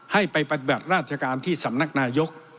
ให้ไปปฏิบัติราชการที่สำนักนายก